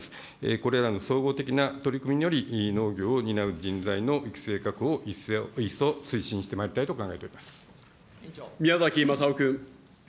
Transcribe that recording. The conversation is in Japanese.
これらの総合的な取り組みにより、農業を担う人材の育成計画を一層推進してまいりたいと思っており宮崎雅夫君。